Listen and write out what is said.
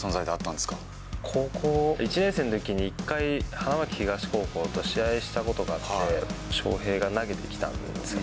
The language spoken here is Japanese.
高校１年生のときに１回、花巻東高校と試合したことがあって、翔平が投げてきたんですよ。